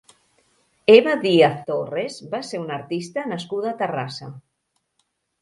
Eva Díaz Torres va ser una artista nascuda a Terrassa.